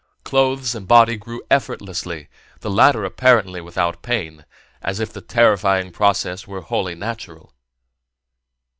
Clothes and body grew effortlessly, the latter apparently without pain, as if the terrifying process were wholly natural.